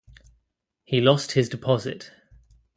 He lost his deposit.